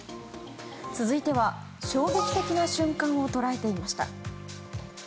続いては、衝撃的な瞬間を捉えていました。